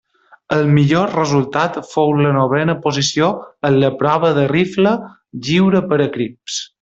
El millor resultat fou la novena posició en la prova de rifle lliure per equips.